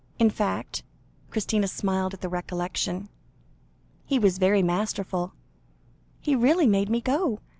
In fact" Christina smiled at the recollection "he was very masterful he really made me go.